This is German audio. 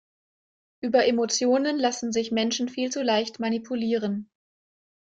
Über Emotionen lassen sich Menschen viel zu leicht manipulieren.